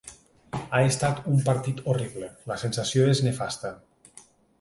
Ha estat un partit horrible, la sensació és nefasta.